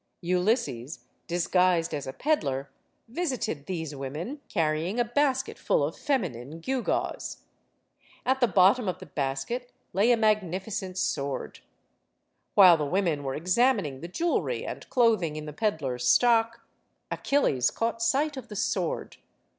Ulysses, dis guised as a peddler, visited these women, carrying a basket full of feminine gewgaws. At the bottom or the basket lay a magnificent sword. While the women were examining the jewelry and clothing in the ped dler's stock, Achilles caught sight of the sword.